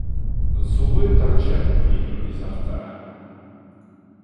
Зубы торчат у нее изо рта.